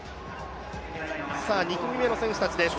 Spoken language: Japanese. ２組目の選手たちです。